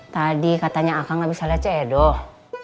tadi katanya akan nggak bisa lihat cedok